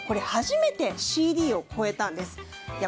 初めてＣＤを超えたんです。